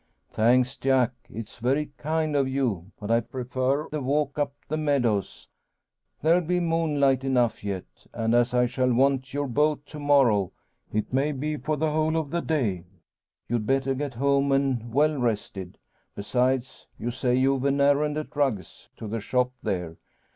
"Thanks, Jack; it's very kind of you, but I prefer the walk up the meadows. There'll be moonlight enough yet. And as I shall want your boat to morrow it may be for the whole of the day you'd better get home and well rested. Besides, you say you've an errand at Rugg's to the shop there.